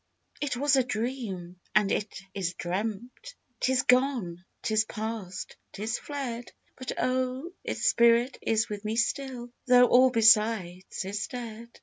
T T was a Dream, and it is dreamt ;^ 'Tis gone, — 'tis past, — 'tis fled. But, oh ! its Spirit is with me still, Though all besides is dead